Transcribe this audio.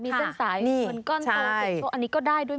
มีเส้นสายส่วนก้อนตัวอันนี้ก็ได้ด้วย